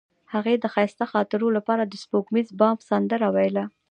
هغې د ښایسته خاطرو لپاره د سپوږمیز بام سندره ویله.